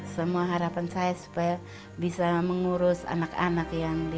semua harapan saya supaya bisa mengurus sekolah dan usahanya dengan baik